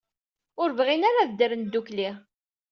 Ur bɣin ara ad ddren ddukkli.